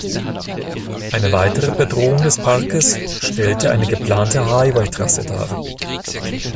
Eine weitere Bedrohung des Parkes stellte eine geplante Highway-Trasse dar.